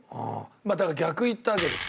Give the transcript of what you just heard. だから逆行ったわけですよ。